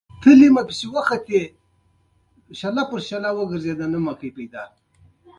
د دې درې څخه یوه لاره دلخشک دغاښي